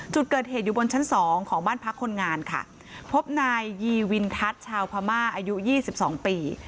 จุดเกิดเหตุอยู่บนชั้นสองของบ้านพักคนงานค่ะพบนายยีวินทัศน์ชาวพม่าอายุยี่สิบสองปี